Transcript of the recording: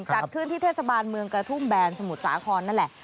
จัดขึ้นที่เทศบาลเมืองกระทุ่มแบนสมุทรสาครนั่นแหละ